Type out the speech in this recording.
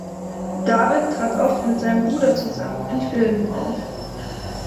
David trat oft mit seinem Bruder zusammen in Filmen auf.